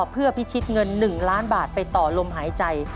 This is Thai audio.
เพื่อพิชิตเงิน๑ล้านบาทไปต่อลมหายใจ